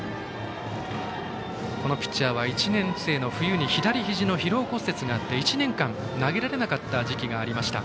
このピッチャーは１年生の冬に左ひじの疲労骨折があって１年間投げられなかった時期がありました。